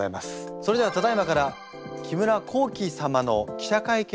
それではただいまから木村弘毅様の記者会見を行います。